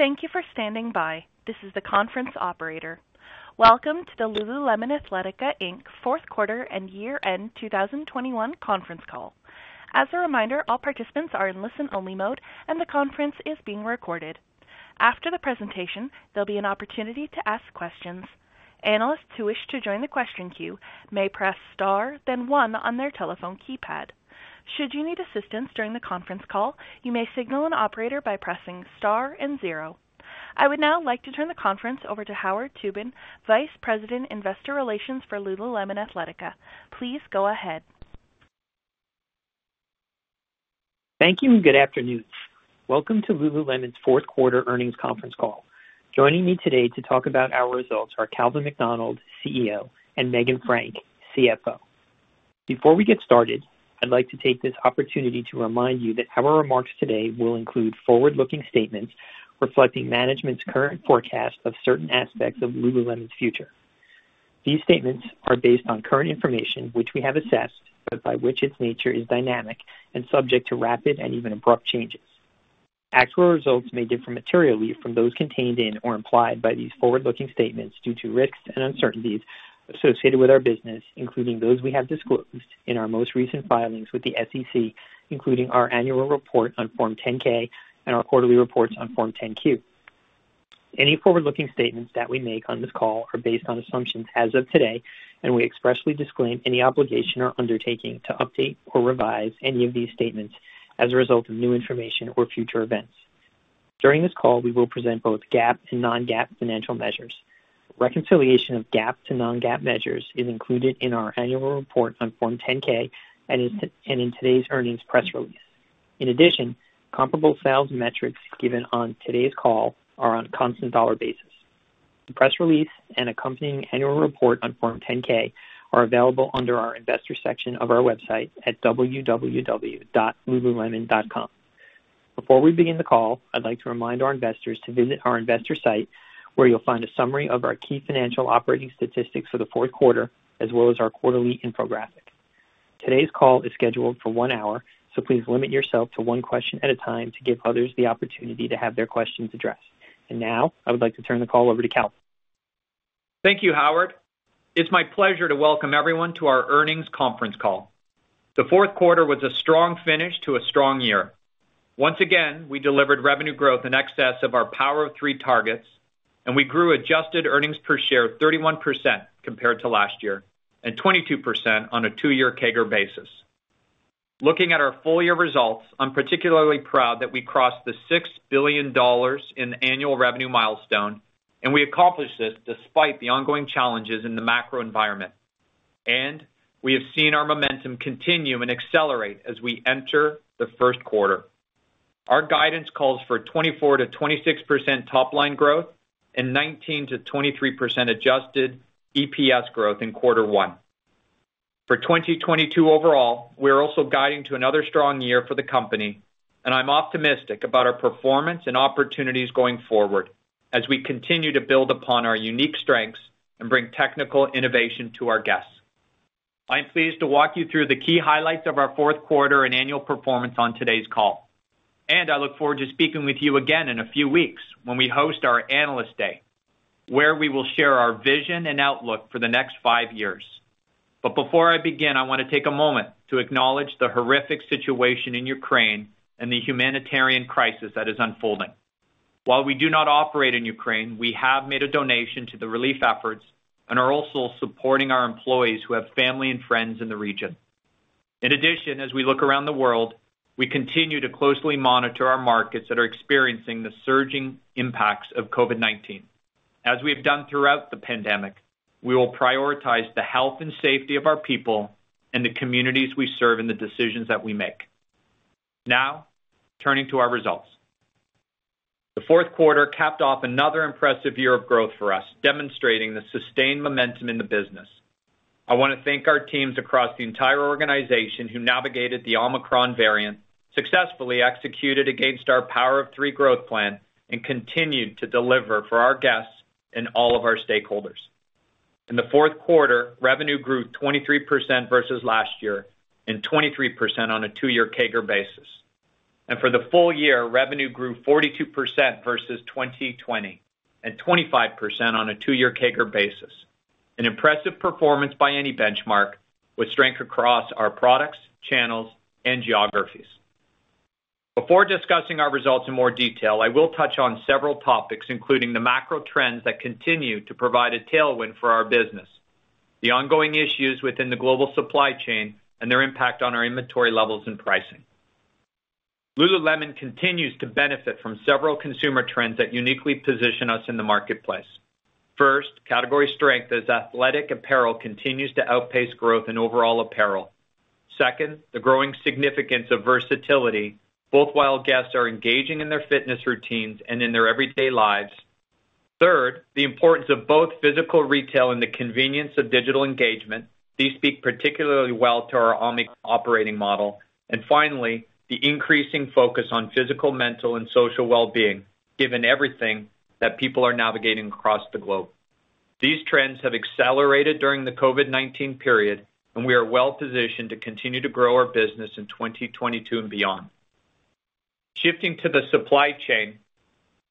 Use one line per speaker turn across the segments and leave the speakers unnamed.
Thank you for standing by. This is the conference operator. Welcome to the Lululemon Athletica Inc. fourth quarter and year end 2021 conference call. As a reminder, all participants are in listen-only mode, and the conference is being recorded. After the presentation, there'll be an opportunity to ask questions. Analysts who wish to join the question queue may press star, then one on their telephone keypad. Should you need assistance during the conference call, you may signal an operator by pressing star and zero. I would now like to turn the conference over to Howard Tubin, Vice President, Investor Relations for Lululemon Athletica. Please go ahead.
Thank you and good afternoon. Welcome to Lululemon's fourth quarter earnings conference call. Joining me today to talk about our results are Calvin McDonald, CEO, and Meghan Frank, CFO. Before we get started, I'd like to take this opportunity to remind you that our remarks today will include forward-looking statements reflecting management's current forecast of certain aspects of Lululemon's future. These statements are based on current information which we have assessed, but by which its nature is dynamic and subject to rapid and even abrupt changes. Actual results may differ materially from those contained in or implied by these forward-looking statements due to risks and uncertainties associated with our business, including those we have disclosed in our most recent filings with the SEC, including our annual report on Form 10-K and our quarterly reports on Form 10-Q. Any forward-looking statements that we make on this call are based on assumptions as of today, and we expressly disclaim any obligation or undertaking to update or revise any of these statements as a result of new information or future events. During this call, we will present both GAAP and non-GAAP financial measures. Reconciliation of GAAP to non-GAAP measures is included in our annual report on Form 10-K and in today's earnings press release. In addition, comparable sales metrics given on today's call are on constant dollar basis. The press release and accompanying annual report on Form 10-K are available under our investor section of our website at www.lululemon.com. Before we begin the call, I'd like to remind our investors to visit our investor site, where you'll find a summary of our key financial operating statistics for the fourth quarter, as well as our quarterly infographic. Today's call is scheduled for one hour, so please limit yourself to one question at a time to give others the opportunity to have their questions addressed. Now I would like to turn the call over to Cal.
Thank you, Howard. It's my pleasure to welcome everyone to our earnings conference call. The fourth quarter was a strong finish to a strong year. Once again, we delivered revenue growth in excess of our Power of Three targets, and we grew adjusted earnings per share of 31% compared to last year and 22% on a two-year CAGR basis. Looking at our full year results, I'm particularly proud that we crossed the $6 billion in annual revenue milestone, and we accomplished this despite the ongoing challenges in the macro environment. We have seen our momentum continue and accelerate as we enter the first quarter. Our guidance calls for a 24%-26% top line growth and 19%-23% adjusted EPS growth in quarter one. For 2022 overall, we are also guiding to another strong year for the company, and I'm optimistic about our performance and opportunities going forward as we continue to build upon our unique strengths and bring technical innovation to our guests. I'm pleased to walk you through the key highlights of our fourth quarter and annual performance on today's call, and I look forward to speaking with you again in a few weeks when we host our Analyst Day, where we will share our vision and outlook for the next five years. Before I begin, I wanna take a moment to acknowledge the horrific situation in Ukraine and the humanitarian crisis that is unfolding. While we do not operate in Ukraine, we have made a donation to the relief efforts and are also supporting our employees who have family and friends in the region. In addition, as we look around the world, we continue to closely monitor our markets that are experiencing the surging impacts of COVID-19. As we have done throughout the pandemic, we will prioritize the health and safety of our people and the communities we serve in the decisions that we make. Now, turning to our results. The fourth quarter capped off another impressive year of growth for us, demonstrating the sustained momentum in the business. I wanna thank our teams across the entire organization who navigated the Omicron variant, successfully executed against our Power of Three growth plan, and continued to deliver for our guests and all of our stakeholders. In the fourth quarter, revenue grew 23% versus last year and 23% on a two-year CAGR basis. For the full year, revenue grew 42% versus 2020 and 25% on a two-year CAGR basis. An impressive performance by any benchmark with strength across our products, channels, and geographies. Before discussing our results in more detail, I will touch on several topics, including the macro trends that continue to provide a tailwind for our business, the ongoing issues within the global supply chain, and their impact on our inventory levels and pricing. Lululemon continues to benefit from several consumer trends that uniquely position us in the marketplace. First, category strength as athletic apparel continues to outpace growth in overall apparel. Second, the growing significance of versatility, both while guests are engaging in their fitness routines and in their everyday lives. Third, the importance of both physical retail and the convenience of digital engagement. These speak particularly well to our omni operating model. Finally, the increasing focus on physical, mental, and social wellbeing, given everything that people are navigating across the globe. These trends have accelerated during the COVID-19 period, and we are well-positioned to continue to grow our business in 2022 and beyond. Shifting to the supply chain,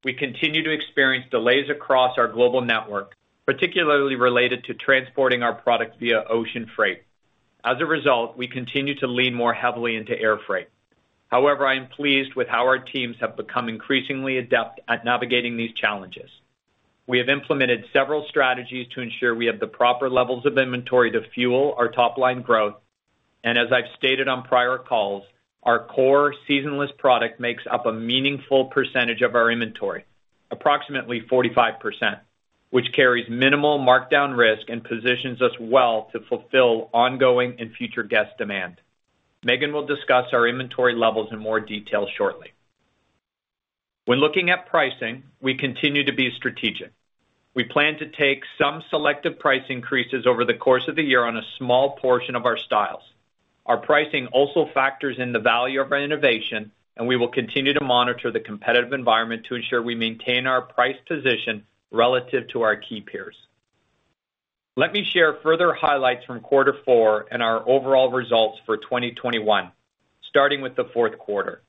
we continue to experience delays across our global network, particularly related to transporting our products via ocean freight. As a result, we continue to lean more heavily into air freight. However, I am pleased with how our teams have become increasingly adept at navigating these challenges. We have implemented several strategies to ensure we have the proper levels of inventory to fuel our top-line growth. As I've stated on prior calls, our core seasonless product makes up a meaningful percentage of our inventory, approximately 45%, which carries minimal markdown risk and positions us well to fulfill ongoing and future guest demand. Meghan will discuss our inventory levels in more detail shortly. When looking at pricing, we continue to be strategic. We plan to take some selective price increases over the course of the year on a small portion of our styles. Our pricing also factors in the value of our innovation, and we will continue to monitor the competitive environment to ensure we maintain our price position relative to our key peers. Let me share further highlights from quarter four and our overall results for 2021, starting with the fourth quarter.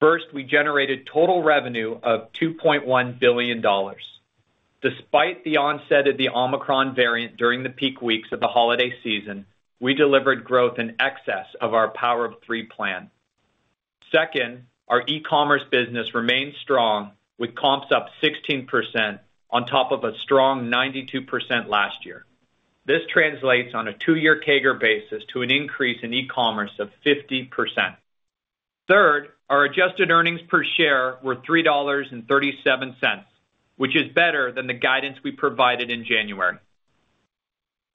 First, we generated total revenue of $2.1 billion. Despite the onset of the Omicron variant during the peak weeks of the holiday season, we delivered growth in excess of our Power of Three plan. Second, our e-commerce business remains strong with comps up 16% on top of a strong 92% last year. This translates on a two-year CAGR basis to an increase in e-commerce of 50%. Third, our adjusted earnings per share were $3.37, which is better than the guidance we provided in January.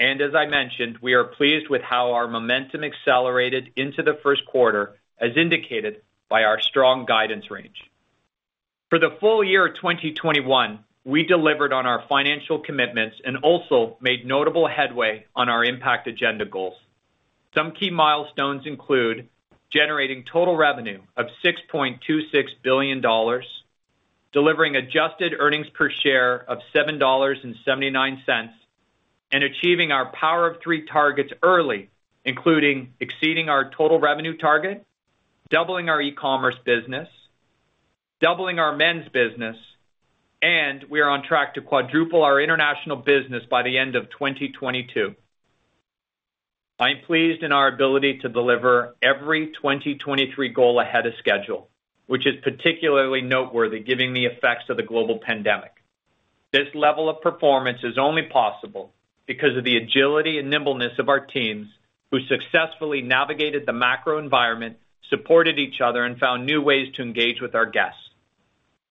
As I mentioned, we are pleased with how our momentum accelerated into the first quarter as indicated by our strong guidance range. For the full year 2021, we delivered on our financial commitments and also made notable headway on our impact agenda goals. Some key milestones include generating total revenue of $6.26 billion, delivering adjusted earnings per share of $7.79, and achieving our Power of Three targets early, including exceeding our total revenue target, doubling our e-commerce business, doubling our men's business, and we are on track to quadruple our international business by the end of 2022. I am pleased with our ability to deliver every 2023 goal ahead of schedule, which is particularly noteworthy given the effects of the global pandemic. This level of performance is only possible because of the agility and nimbleness of our teams who successfully navigated the macro environment, supported each other, and found new ways to engage with our guests.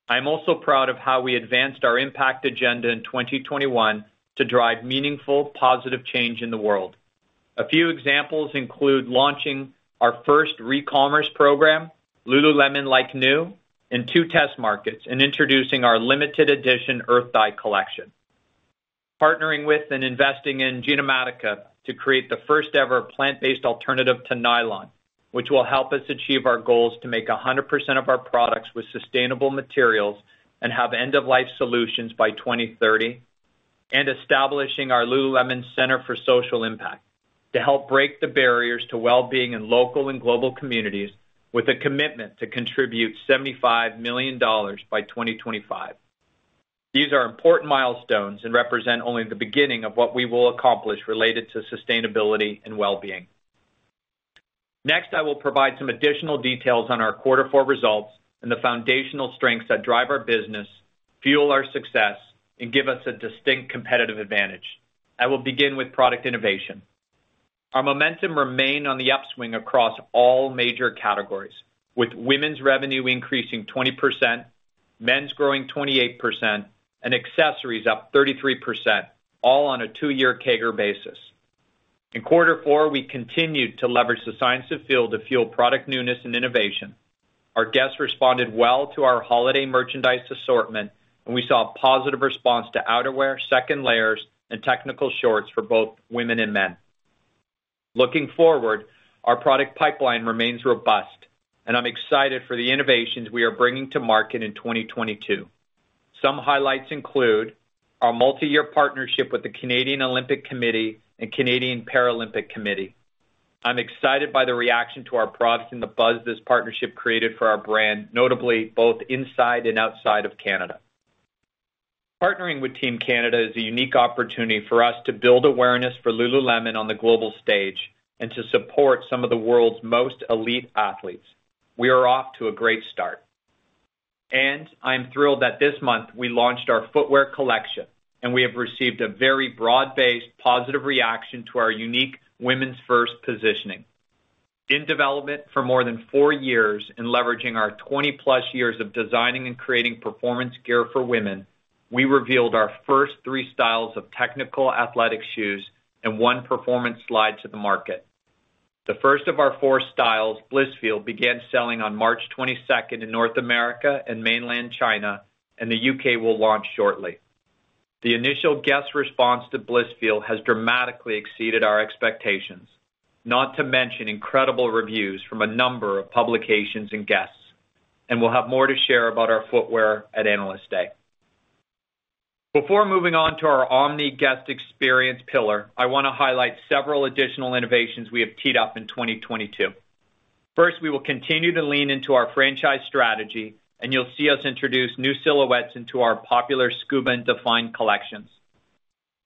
I am also proud of how we advanced our impact agenda in 2021 to drive meaningful, positive change in the world. A few examples include launching our first recommerce program, Lululemon Like New, in two test markets and introducing our limited edition Earth Dye collection, partnering with and investing in Genomatica to create the first ever plant-based alternative to nylon, which will help us achieve our goals to make 100% of our products with sustainable materials and have end-of-life solutions by 2030, and establishing our Lululemon Centre for Social Impact to help break the barriers to wellbeing in local and global communities with a commitment to contribute $75 million by 2025. These are important milestones and represent only the beginning of what we will accomplish related to sustainability and wellbeing. Next, I will provide some additional details on our quarter four results and the foundational strengths that drive our business, fuel our success, and give us a distinct competitive advantage. I will begin with product innovation. Our momentum remained on the upswing across all major categories, with women's revenue increasing 20%, men's growing 28%, and accessories up 33%, all on a two-year CAGR basis. In quarter four, we continued to leverage the science of feel to fuel product newness and innovation. Our guests responded well to our holiday merchandise assortment, and we saw a positive response to outerwear, second layers, and technical shorts for both women and men. Looking forward, our product pipeline remains robust, and I'm excited for the innovations we are bringing to market in 2022. Some highlights include our multi-year partnership with the Canadian Olympic Committee and Canadian Paralympic Committee. I'm excited by the reaction to our products and the buzz this partnership created for our brand, notably both inside and outside of Canada. Partnering with Team Canada is a unique opportunity for us to build awareness for Lululemon on the global stage and to support some of the world's most elite athletes. We are off to a great start. I am thrilled that this month we launched our footwear collection, and we have received a very broad-based, positive reaction to our unique women's first positioning. In development for more than four years and leveraging our 20+ years of designing and creating performance gear for women, we revealed our first three styles of technical athletic shoes and one performance slide to the market. The first of our four styles, Blissfeel, began selling on March 22nd in North America and Mainland China, and the U.K. will launch shortly. The initial guest response to Blissfeel has dramatically exceeded our expectations, not to mention incredible reviews from a number of publications and guests. We'll have more to share about our footwear at Analyst Day. Before moving on to our omni guest experience pillar, I wanna highlight several additional innovations we have teed up in 2022. First, we will continue to lean into our franchise strategy, and you'll see us introduce new silhouettes into our popular Scuba and Define collections.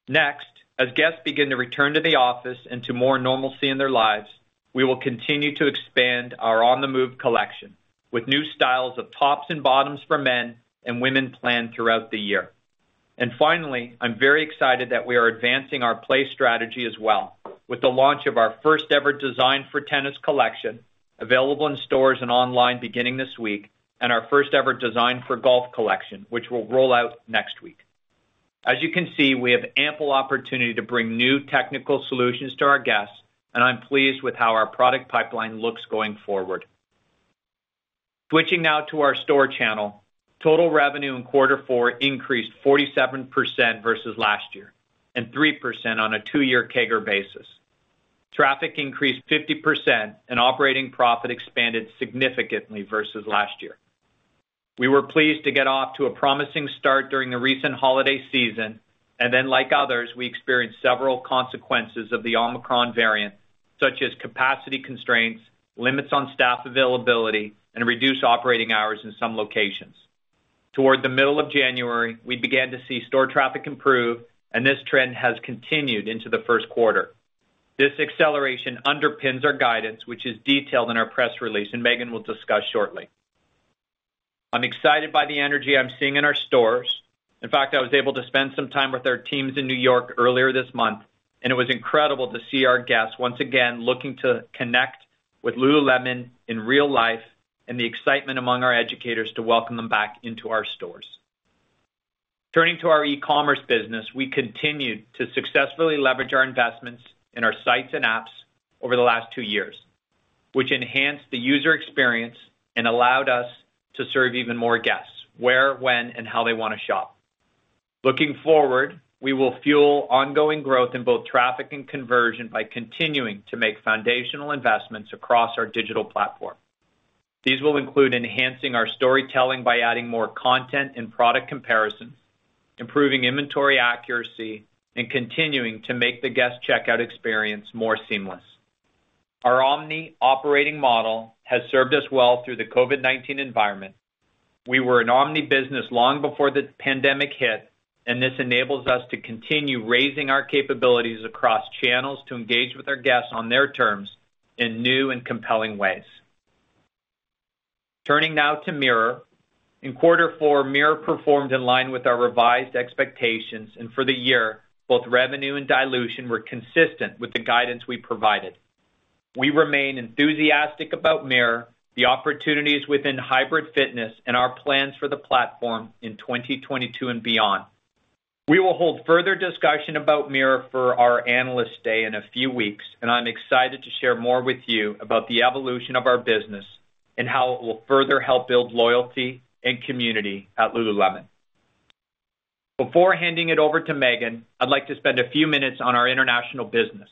Next, as guests begin to return to the office and to more normalcy in their lives, we will continue to expand our On The Move collection with new styles of tops and bottoms for men and women planned throughout the year. Finally, I'm very excited that we are advancing our play strategy as well with the launch of our first-ever design for tennis collection available in stores and online beginning this week, and our first-ever design for golf collection, which we'll roll out next week. As you can see, we have ample opportunity to bring new technical solutions to our guests, and I'm pleased with how our product pipeline looks going forward. Switching now to our store channel. Total revenue in quarter four increased 47% versus last year and 3% on a two-year CAGR basis. Traffic increased 50%, and operating profit expanded significantly versus last year. We were pleased to get off to a promising start during the recent holiday season, and then like others, we experienced several consequences of the Omicron variant, such as capacity constraints, limits on staff availability, and reduced operating hours in some locations. Toward the middle of January, we began to see store traffic improve, and this trend has continued into the first quarter. This acceleration underpins our guidance, which is detailed in our press release and Meghan will discuss shortly. I'm excited by the energy I'm seeing in our stores. In fact, I was able to spend some time with our teams in New York earlier this month, and it was incredible to see our guests once again looking to connect with Lululemon in real life and the excitement among our educators to welcome them back into our stores. Turning to our e-commerce business, we continued to successfully leverage our investments in our sites and apps over the last two years, which enhanced the user experience and allowed us to serve even more guests where, when, and how they wanna shop. Looking forward, we will fuel ongoing growth in both traffic and conversion by continuing to make foundational investments across our digital platform. These will include enhancing our storytelling by adding more content and product comparisons, improving inventory accuracy, and continuing to make the guest checkout experience more seamless. Our omni operating model has served us well through the COVID-19 environment. We were an omni business long before the pandemic hit, and this enables us to continue raising our capabilities across channels to engage with our guests on their terms in new and compelling ways. Turning now to Mirror. In quarter four, Mirror performed in line with our revised expectations, and for the year, both revenue and dilution were consistent with the guidance we provided. We remain enthusiastic about Mirror, the opportunities within hybrid fitness, and our plans for the platform in 2022 and beyond. We will hold further discussion about Mirror for our Analyst Day in a few weeks, and I'm excited to share more with you about the evolution of our business and how it will further help build loyalty and community at Lululemon. Before handing it over to Meghan, I'd like to spend a few minutes on our international business.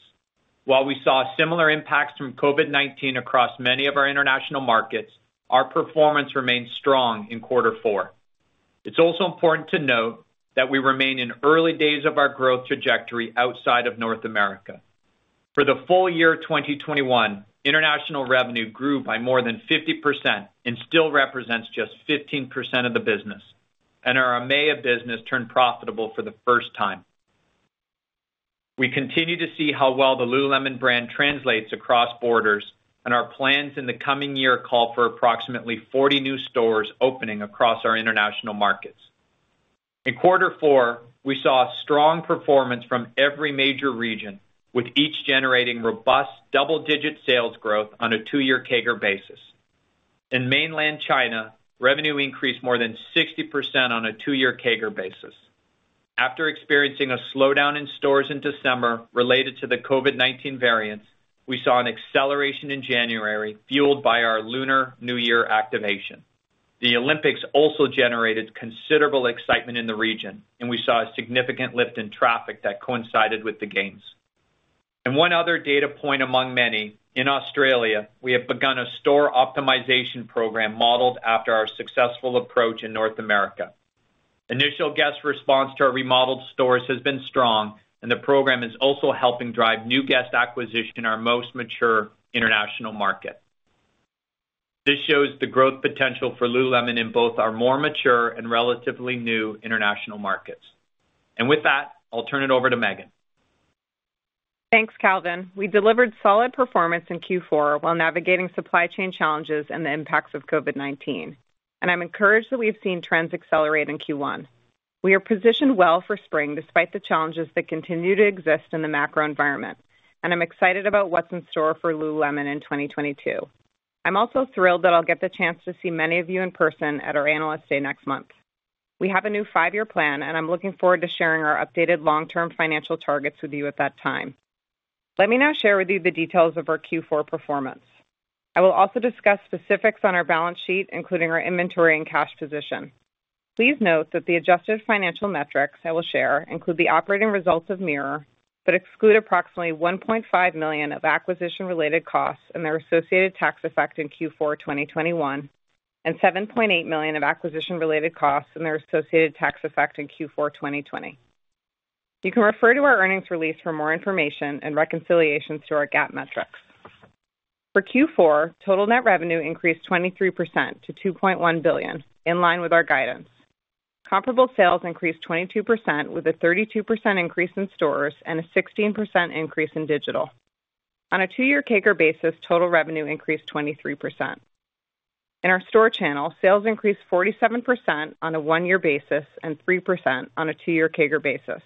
While we saw similar impacts from COVID-19 across many of our international markets, our performance remained strong in quarter four. It's also important to note that we remain in early days of our growth trajectory outside of North America. For the full year 2021, international revenue grew by more than 50% and still represents just 15% of the business, and our EMEA business turned profitable for the first time. We continue to see how well the Lululemon brand translates across borders, and our plans in the coming year call for approximately 40 new stores opening across our international markets. In quarter four, we saw a strong performance from every major region, with each generating robust double-digit sales growth on a two-year CAGR basis. In mainland China, revenue increased more than 60% on a two-year CAGR basis. After experiencing a slowdown in stores in December related to the COVID-19 variants, we saw an acceleration in January fueled by our Lunar New Year activation. The Olympics also generated considerable excitement in the region, and we saw a significant lift in traffic that coincided with the games. One other data point among many, in Australia, we have begun a store optimization program modeled after our successful approach in North America. Initial guest response to our remodeled stores has been strong, and the program is also helping drive new guest acquisition in our most mature international market. This shows the growth potential for lululemon in both our more mature and relatively new international markets. With that, I'll turn it over to Meghan.
Thanks, Calvin. We delivered solid performance in Q4 while navigating supply chain challenges and the impacts of COVID-19, and I'm encouraged that we've seen trends accelerate in Q1. We are positioned well for spring despite the challenges that continue to exist in the macro environment, and I'm excited about what's in store for Lululemon in 2022. I'm also thrilled that I'll get the chance to see many of you in person at our Analyst Day next month. We have a new five-year plan, and I'm looking forward to sharing our updated long-term financial targets with you at that time. Let me now share with you the details of our Q4 performance. I will also discuss specifics on our balance sheet, including our inventory and cash position. Please note that the adjusted financial metrics I will share include the operating results of Mirror, but exclude approximately $1.5 million of acquisition related costs and their associated tax effect in Q4 2021 and $7.8 million of acquisition related costs and their associated tax effect in Q4 2020. You can refer to our earnings release for more information and reconciliations to our GAAP metrics. For Q4, total net revenue increased 23% to $2.1 billion in line with our guidance. Comparable sales increased 22% with a 32% increase in stores and a 16% increase in digital. On a two-year CAGR basis, total revenue increased 23%. In our store channel, sales increased 47% on a one-year basis and 3% on a two-year CAGR basis.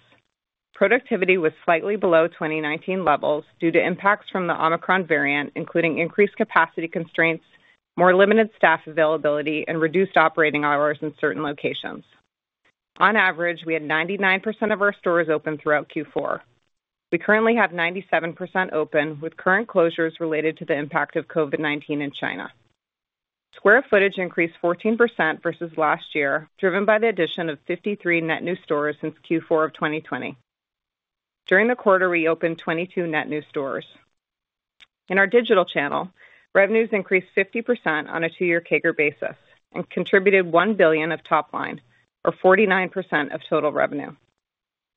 Productivity was slightly below 2019 levels due to impacts from the Omicron variant, including increased capacity constraints, more limited staff availability, and reduced operating hours in certain locations. On average, we had 99% of our stores open throughout Q4. We currently have 97% open with current closures related to the impact of COVID-19 in China. Square footage increased 14% versus last year, driven by the addition of 53 net new stores since Q4 of 2020. During the quarter, we opened 22 net new stores. In our digital channel, revenues increased 50% on a two-year CAGR basis and contributed $1 billion of top line or 49% of total revenue.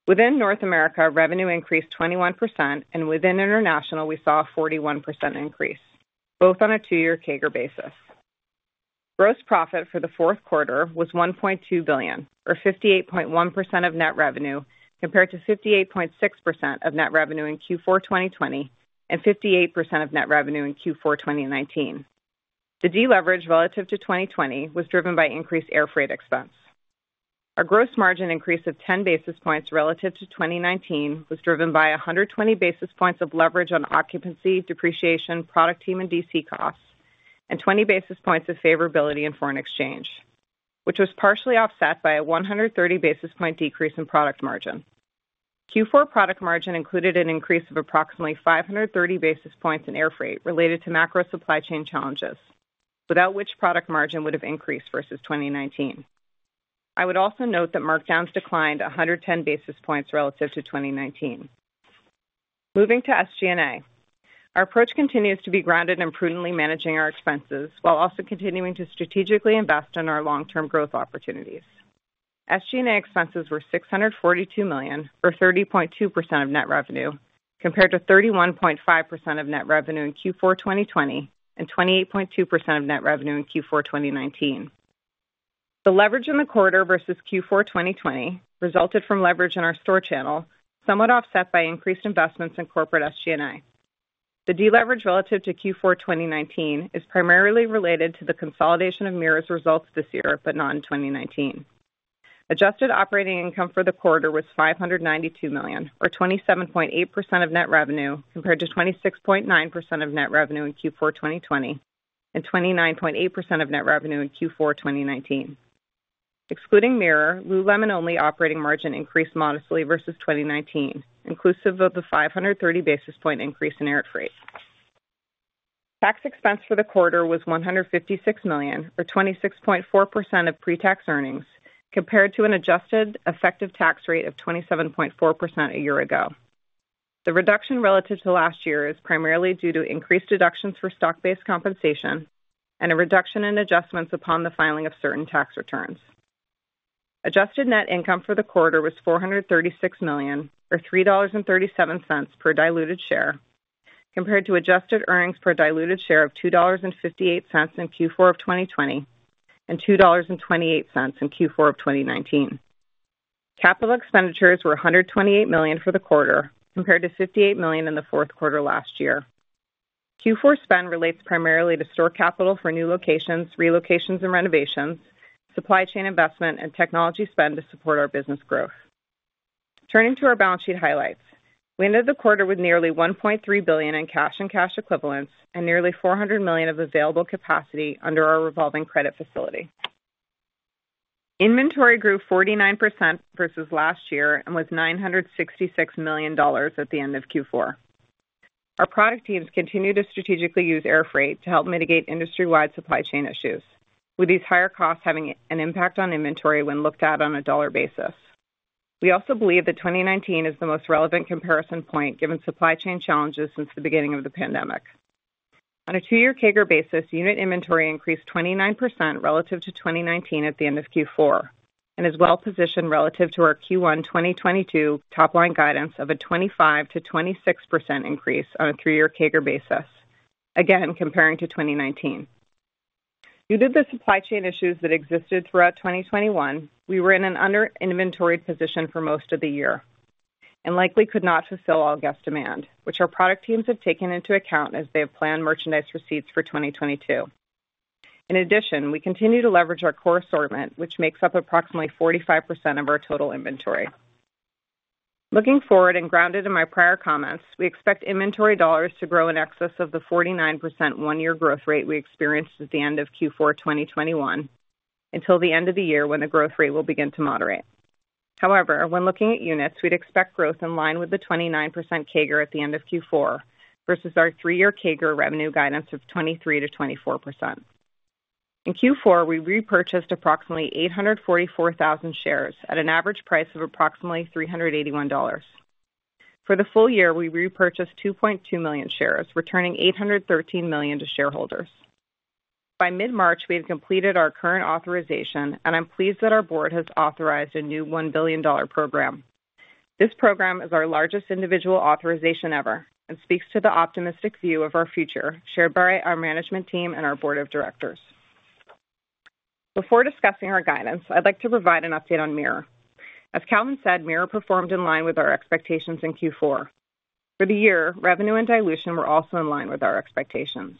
Within North America, revenue increased 21%, and within international, we saw a 41% increase, both on a two-year CAGR basis. Gross profit for the fourth quarter was $1.2 billion or 58.1% of net revenue, compared to 58.6% of net revenue in Q4 2020 and 58% of net revenue in Q4 2019. The deleverage relative to 2020 was driven by increased air freight expense. Our gross margin increase of 10 basis points relative to 2019 was driven by 120 basis points of leverage on occupancy, depreciation, product team and DC costs, and 20 basis points of favorability in foreign exchange, which was partially offset by a 130 basis point decrease in product margin. Q4 product margin included an increase of approximately 530 basis points in air freight related to macro supply chain challenges, without which product margin would have increased versus 2019. I would also note that markdowns declined 110 basis points relative to 2019. Moving to SG&A. Our approach continues to be grounded in prudently managing our expenses while also continuing to strategically invest in our long-term growth opportunities. SG&A expenses were $642 million or 30.2% of net revenue, compared to 31.5% of net revenue in Q4 2020 and 28.2% of net revenue in Q4 2019. The leverage in the quarter versus Q4 2020 resulted from leverage in our store channel, somewhat offset by increased investments in corporate SG&A. The deleverage relative to Q4 2019 is primarily related to the consolidation of Mirror's results this year, but not in 2019. Adjusted operating income for the quarter was $592 million or 27.8% of net revenue, compared to 26.9% of net revenue in Q4 2020 and 29.8% of net revenue in Q4 2019. Excluding Mirror, Lululemon only operating margin increased modestly versus 2019, inclusive of the 530 basis point increase in air freight. Tax expense for the quarter was $156 million or 26.4% of pre-tax earnings, compared to an adjusted effective tax rate of 27.4% a year ago. The reduction relative to last year is primarily due to increased deductions for stock-based compensation and a reduction in adjustments upon the filing of certain tax returns. Adjusted net income for the quarter was $436 million or $3.37 per diluted share, compared to adjusted earnings per diluted share of $2.58 in Q4 of 2020 and $2.28 in Q4 of 2019. Capital expenditures were $128 million for the quarter, compared to $58 million in the fourth quarter last year. Q4 spend relates primarily to store capital for new locations, relocations and renovations, supply chain investment, and technology spend to support our business growth. Turning to our balance sheet highlights. We ended the quarter with nearly $1.3 billion in cash and cash equivalents and nearly $400 million of available capacity under our revolving credit facility. Inventory grew 49% versus last year and was $966 million at the end of Q4. Our product teams continue to strategically use air freight to help mitigate industry-wide supply chain issues, with these higher costs having an impact on inventory when looked at on a dollar basis. We also believe that 2019 is the most relevant comparison point given supply chain challenges since the beginning of the pandemic. On a two-year CAGR basis, unit inventory increased 29% relative to 2019 at the end of Q4 and is well positioned relative to our Q1 2022 top line guidance of a 25%-26% increase on a three-year CAGR basis. Again, comparing to 2019. Due to the supply chain issues that existed throughout 2021, we were in an under inventoried position for most of the year and likely could not fulfill all guest demand, which our product teams have taken into account as they have planned merchandise receipts for 2022. In addition, we continue to leverage our core assortment, which makes up approximately 45% of our total inventory. Looking forward and grounded in my prior comments, we expect inventory dollars to grow in excess of the 49% one year growth rate we experienced at the end of Q4 2021 until the end of the year when the growth rate will begin to moderate. However, when looking at units, we'd expect growth in line with the 29% CAGR at the end of Q4 versus our three-year CAGR revenue guidance of 23%-24%. In Q4, we repurchased approximately 844,000 shares at an average price of approximately $381. For the full year, we repurchased 2.2 million shares, returning $813 million to shareholders. By mid-March, we have completed our current authorization, and I'm pleased that our board has authorized a new $1 billion program. This program is our largest individual authorization ever and speaks to the optimistic view of our future shared by our management team and our board of directors. Before discussing our guidance, I'd like to provide an update on Mirror. As Calvin said, Mirror performed in line with our expectations in Q4. For the year, revenue and dilution were also in line with our expectations.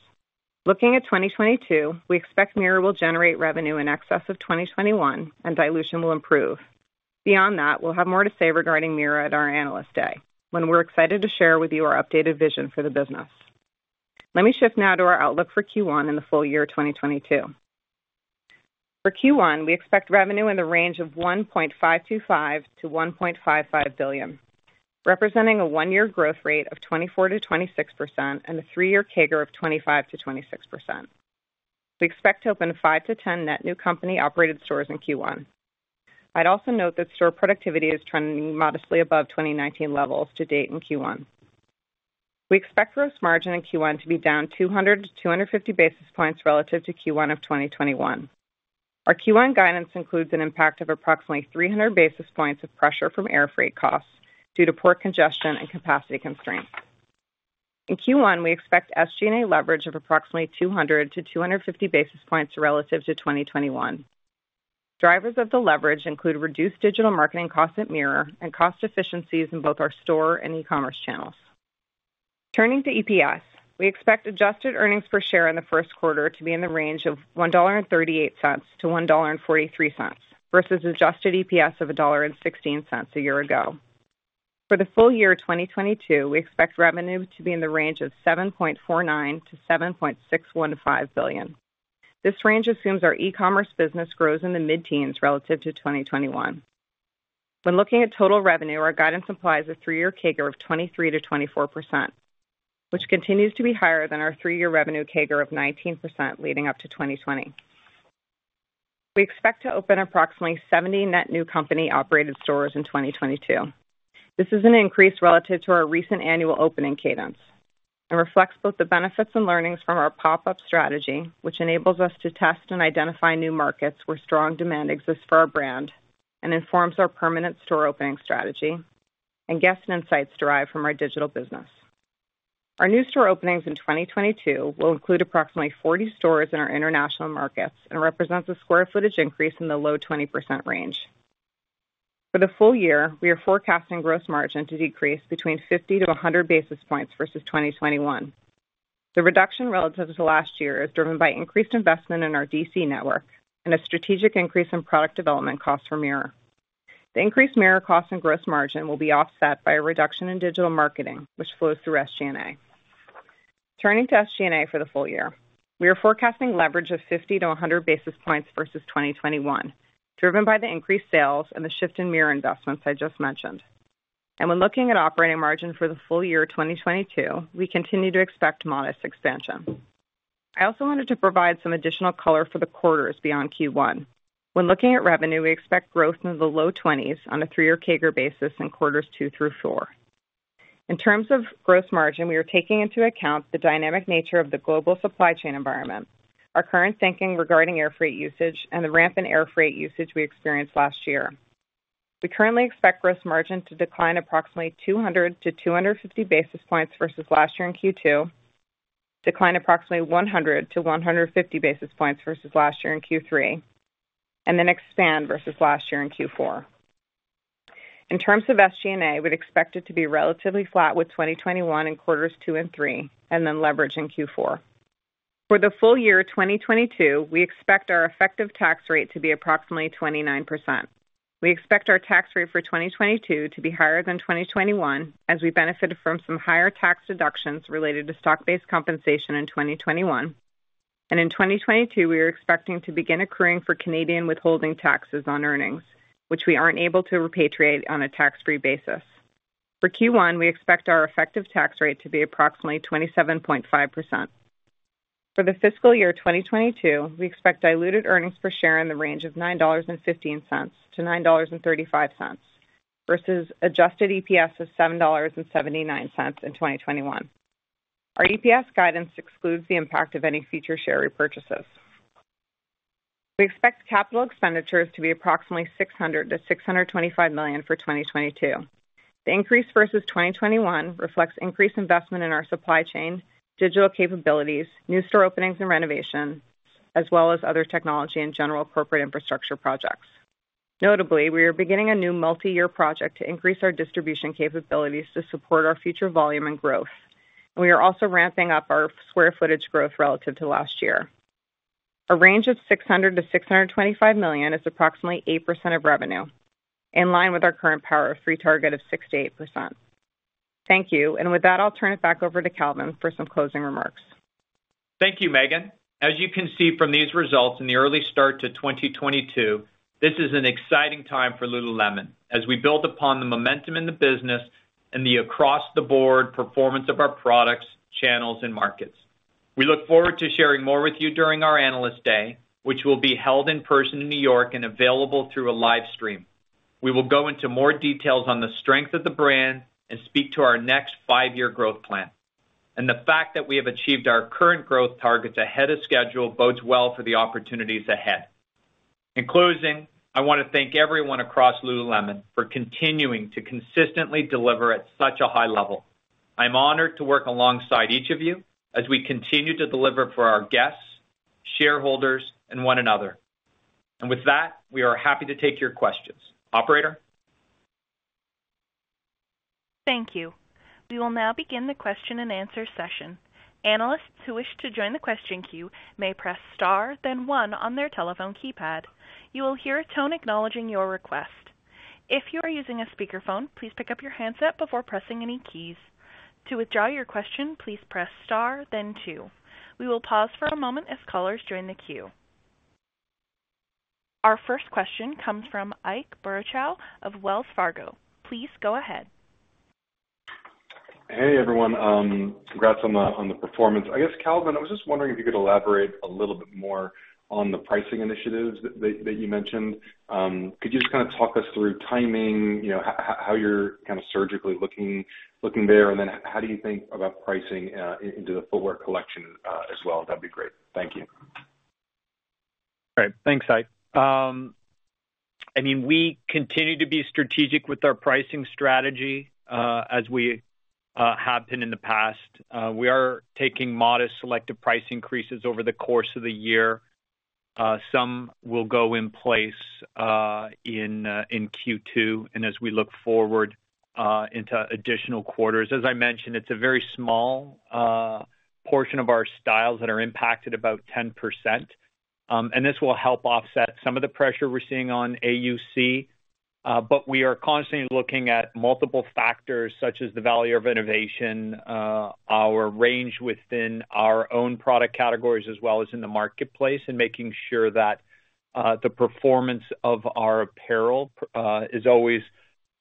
Looking at 2022, we expect Mirror will generate revenue in excess of 2021, and dilution will improve. Beyond that, we'll have more to say regarding Mirror at our Analyst Day, when we're excited to share with you our updated vision for the business. Let me shift now to our outlook for Q1 and the full year of 2022. For Q1, we expect revenue in the range of $1.525 billion-$1.55 billion, representing a one-year growth rate of 24%-26% and a three-year CAGR of 25%-26%. We expect to open five-10 net new company-operated stores in Q1. I'd also note that store productivity is trending modestly above 2019 levels to date in Q1. We expect gross margin in Q1 to be down 200-250 basis points relative to Q1 of 2021. Our Q1 guidance includes an impact of approximately 300 basis points of pressure from air freight costs due to port congestion and capacity constraints. In Q1, we expect SG&A leverage of approximately 200-250 basis points relative to 2021. Drivers of the leverage include reduced digital marketing costs at Mirror and cost efficiencies in both our store and e-commerce channels. Turning to EPS, we expect adjusted earnings per share in the first quarter to be in the range of $1.38-$1.43 versus adjusted EPS of $1.16 a year ago. For the full year of 2022, we expect revenue to be in the range of $7.49 billion-$7.615 billion. This range assumes our e-commerce business grows in the mid-teens relative to 2021. When looking at total revenue, our guidance implies a three-year CAGR of 23%-24%, which continues to be higher than our three-year revenue CAGR of 19% leading up to 2020. We expect to open approximately 70 net new company-operated stores in 2022. This is an increase relative to our recent annual opening cadence and reflects both the benefits and learnings from our pop-up strategy, which enables us to test and identify new markets where strong demand exists for our brand and informs our permanent store opening strategy and guest insights derived from our digital business. Our new store openings in 2022 will include approximately 40 stores in our international markets and represents a square footage increase in the low 20% range. For the full year, we are forecasting gross margin to decrease between 50-100 basis points versus 2021. The reduction relative to last year is driven by increased investment in our DC network and a strategic increase in product development costs for Mirror. The increased Mirror costs and gross margin will be offset by a reduction in digital marketing, which flows through SG&A. Turning to SG&A for the full year, we are forecasting leverage of 50-100 basis points versus 2021, driven by the increased sales and the shift in Mirror investments I just mentioned. When looking at operating margin for the full year of 2022, we continue to expect modest expansion. I also wanted to provide some additional color for the quarters beyond Q1. When looking at revenue, we expect growth in the low 20s% on a three-year CAGR basis in quarters two through four. In terms of gross margin, we are taking into account the dynamic nature of the global supply chain environment, our current thinking regarding air freight usage, and the ramp in air freight usage we experienced last year. We currently expect gross margin to decline approximately 200-250 basis points versus last year in Q2, decline approximately 100-150 basis points versus last year in Q3, and then expand versus last year in Q4. In terms of SG&A, we'd expect it to be relatively flat with 2021 in quarters two and three, and then leverage in Q4. For the full year of 2022, we expect our effective tax rate to be approximately 29%. We expect our tax rate for 2022 to be higher than 2021, as we benefited from some higher tax deductions related to stock-based compensation in 2021. In 2022, we are expecting to begin accruing for Canadian withholding taxes on earnings, which we aren't able to repatriate on a tax-free basis. For Q1, we expect our effective tax rate to be approximately 27.5%. For the fiscal year 2022, we expect diluted earnings per share in the range of $9.15-$9.35 versus adjusted EPS of $7.79 in 2021. Our EPS guidance excludes the impact of any future share repurchases. We expect capital expenditures to be approximately $600 million-$625 million for 2022. The increase versus 2021 reflects increased investment in our supply chain, digital capabilities, new store openings and renovations, as well as other technology and general corporate infrastructure projects. Notably, we are beginning a new multi-year project to increase our distribution capabilities to support our future volume and growth, and we are also ramping up our square footage growth relative to last year. A range of $600 million-$625 million is approximately 8% of revenue, in line with our current Power of Three target of 6%-8%. Thank you. With that, I'll turn it back over to Calvin for some closing remarks.
Thank you, Meghan. As you can see from these results in the early start to 2022, this is an exciting time for lululemon as we build upon the momentum in the business and the across the board performance of our products, channels, and markets. We look forward to sharing more with you during our Analyst Day, which will be held in person in New York and available through a live stream. We will go into more details on the strength of the brand and speak to our next five-year growth plan. The fact that we have achieved our current growth targets ahead of schedule bodes well for the opportunities ahead. In closing, I wanna thank everyone across lululemon for continuing to consistently deliver at such a high level. I'm honored to work alongside each of you as we continue to deliver for our guests, shareholders, and one another. With that, we are happy to take your questions. Operator?
Thank you. We will now begin the question and answer session. Analysts who wish to join the question queue may press star then one on their telephone keypad. You will hear a tone acknowledging your request. If you are using a speakerphone, please pick up your handset before pressing any keys. To withdraw your question, please press star then two. We will pause for a moment as callers join the queue. Our first question comes from Ike Boruchow of Wells Fargo. Please go ahead.
Hey, everyone. Congrats on the performance. Calvin, I was just wondering if you could elaborate a little bit more on the pricing initiatives that you mentioned. Could you just kinda talk us through timing, you know, how you're kinda surgically looking there? How do you think about pricing into the footwear collection as well? That'd be great. Thank you.
All right. Thanks, Ike. I mean, we continue to be strategic with our pricing strategy, as we have been in the past. We are taking modest selective price increases over the course of the year. Some will go in place in Q2, and as we look forward into additional quarters. As I mentioned, it's a very small portion of our styles that are impacted about 10%. This will help offset some of the pressure we're seeing on AUC. We are constantly looking at multiple factors such as the value of innovation, our range within our own product categories as well as in the marketplace, and making sure that the performance of our apparel is always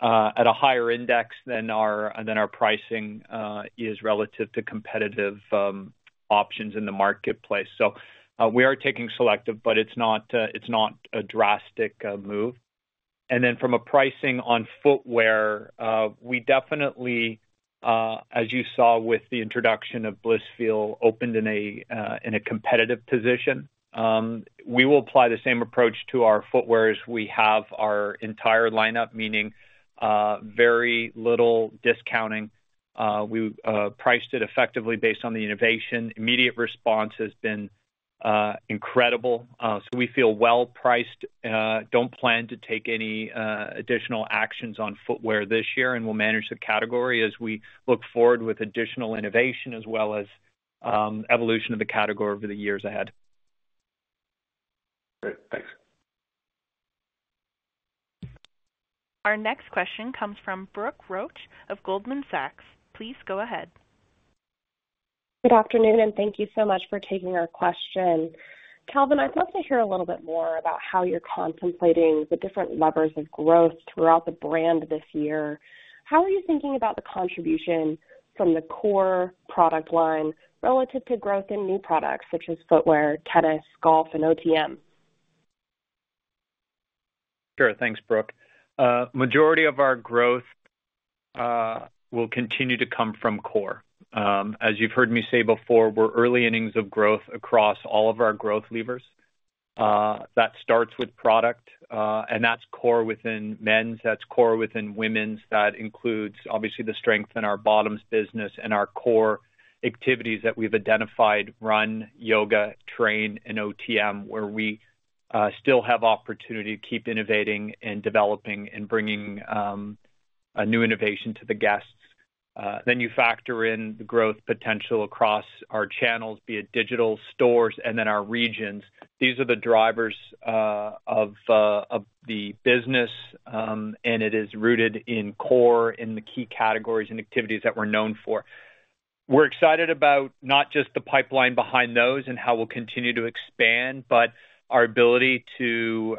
at a higher index than our pricing is relative to competitive options in the marketplace. We are taking selective, but it's not a drastic move. From a pricing on footwear, we definitely, as you saw with the introduction of Blissfeel, opened in a competitive position. We will apply the same approach to our footwear as we have our entire lineup, meaning very little discounting. We priced it effectively based on the innovation. Immediate response has been incredible. We feel well priced, don't plan to take any additional actions on footwear this year, and we'll manage the category as we look forward with additional innovation as well as evolution of the category over the years ahead.
Great. Thanks.
Our next question comes from Brooke Roach of Goldman Sachs. Please go ahead.
Good afternoon, and thank you so much for taking our question. Calvin, I'd love to hear a little bit more about how you're contemplating the different levers of growth throughout the brand this year. How are you thinking about the contribution from the core product line relative to growth in new products such as footwear, tennis, golf, and OTM?
Sure. Thanks, Brooke. Majority of our growth will continue to come from core. As you've heard me say before, we're early innings of growth across all of our growth levers. That starts with product, and that's core within men's, that's core within women's. That includes, obviously, the strength in our bottoms business and our core activities that we've identified run, yoga, train, and OTM, where we still have opportunity to keep innovating and developing and bringing a new innovation to the guests. Then you factor in the growth potential across our channels, be it digital stores and then our regions. These are the drivers of the business, and it is rooted in core in the key categories and activities that we're known for. We're excited about not just the pipeline behind those and how we'll continue to expand, but our ability to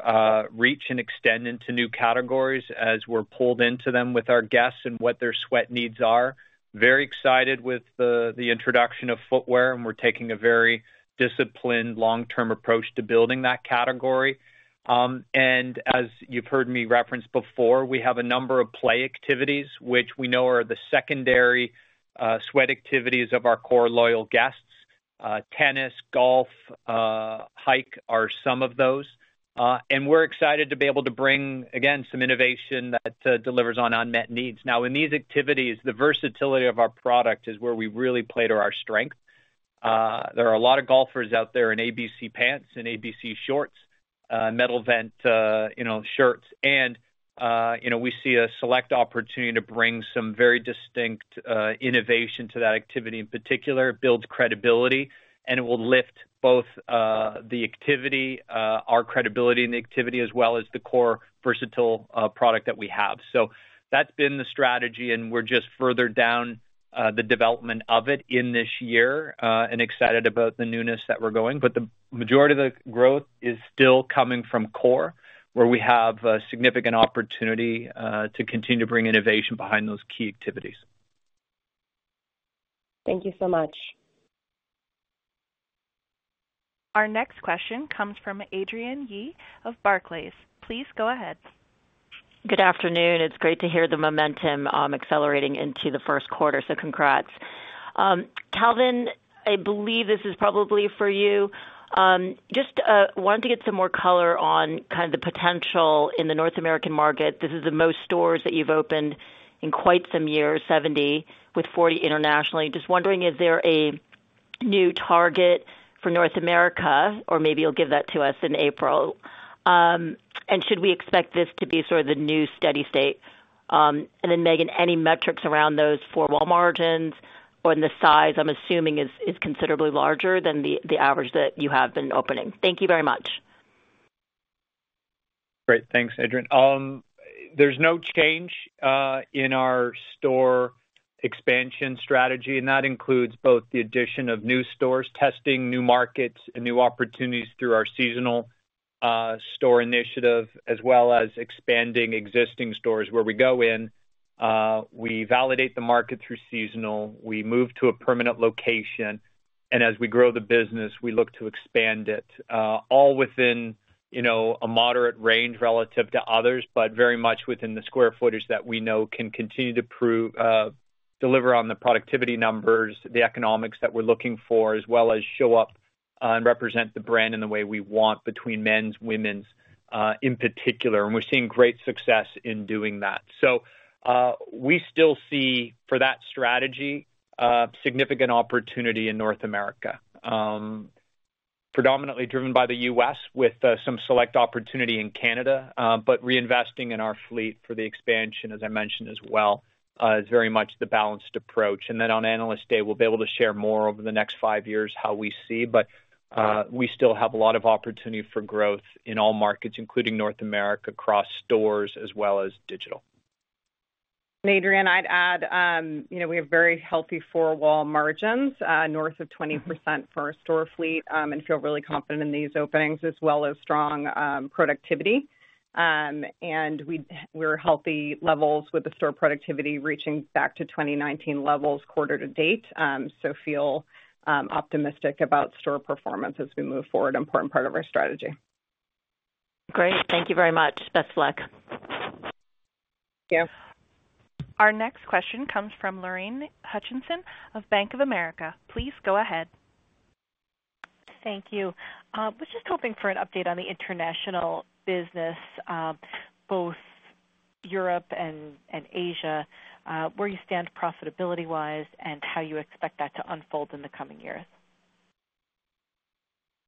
reach and extend into new categories as we're pulled into them with our guests and what their sweat needs are. Very excited with the introduction of footwear, and we're taking a very disciplined long-term approach to building that category. As you've heard me reference before, we have a number of play activities, which we know are the secondary sweat activities of our core loyal guests. Tennis, golf, hike are some of those. We're excited to be able to bring, again, some innovation that delivers on unmet needs. Now, in these activities, the versatility of our product is where we really play to our strength. There are a lot of golfers out there in ABC pants and ABC shorts, Metal Vent, you know, shirts. We see a select opportunity to bring some very distinct innovation to that activity in particular. It builds credibility, and it will lift both the activity, our credibility and the activity as well as the core versatile product that we have. That's been the strategy, and we're just further down the development of it in this year, and excited about the newness that we're going. The majority of the growth is still coming from core, where we have significant opportunity to continue to bring innovation behind those key activities.
Thank you so much.
Our next question comes from Adrienne Yih of Barclays. Please go ahead.
Good afternoon. It's great to hear the momentum accelerating into the first quarter. Congrats. Calvin, I believe this is probably for you. Just wanted to get some more color on kind of the potential in the North American market. This is the most stores that you've opened in quite some years, 70, with 40 internationally. Just wondering, is there a new target for North America? Or maybe you'll give that to us in April. Should we expect this to be sort of the new steady state? Then Meghan, any metrics around those four-wall margins or in the size, I'm assuming is considerably larger than the average that you have been opening. Thank you very much.
Great. Thanks, Adrienne. There's no change in our store expansion strategy, and that includes both the addition of new stores, testing new markets and new opportunities through our seasonal store initiative, as well as expanding existing stores where we go in, we validate the market through seasonal, we move to a permanent location, and as we grow the business, we look to expand it, all within, you know, a moderate range relative to others, but very much within the square footage that we know can continue to deliver on the productivity numbers, the economics that we're looking for, as well as show up and represent the brand in the way we want between men's, women's, in particular. We're seeing great success in doing that. We still see, for that strategy, significant opportunity in North America, predominantly driven by the U.S. with, some select opportunity in Canada, but reinvesting in our fleet for the expansion, as I mentioned as well, is very much the balanced approach. Then on Analyst Day, we'll be able to share more over the next five years how we see. We still have a lot of opportunity for growth in all markets, including North America, across stores as well as digital.
Adrienne, I'd add, you know, we have very healthy four-wall margins north of 20% for our store fleet, and feel really confident in these openings as well as strong productivity. We're healthy levels with the store productivity reaching back to 2019 levels quarter-to-date. Feel optimistic about store performance as we move forward. Important part of our strategy.
Great. Thank you very much. Best of luck.
Thank you.
Our next question comes from Lorraine Hutchinson of Bank of America. Please go ahead.
Thank you. I was just hoping for an update on the international business, both Europe and Asia, where you stand profitability-wise and how you expect that to unfold in the coming years?